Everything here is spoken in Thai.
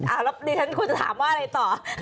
แล้วดิฉันคุณจะถามว่าอะไรต่อ